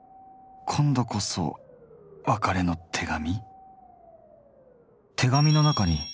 今度こそ別れの手紙？